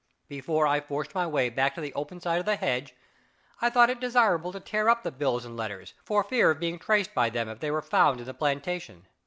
Before I forced my way back to the open side of the hedge, I thought it desirable to tear up the bills and letters, for fear of being traced by them if they were found in the plantation.